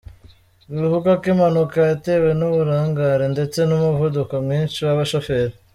Bivugwa ko impanuka yatewe n’uburangare ndetse n’umuvuduko mwinshi w’abashoferi.